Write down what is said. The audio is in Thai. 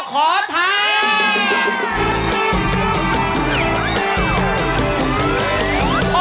อขอท้า